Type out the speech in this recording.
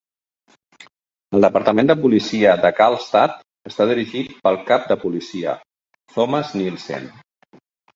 El Departament de policia de Carlstadt està dirigit pel Cap de policia, Thomas Nielsen.